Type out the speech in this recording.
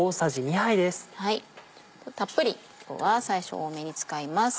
たっぷり今日は最初多めに使います。